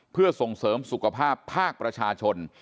เพื่อส่งเสริมสุขภาพภาคประชาชน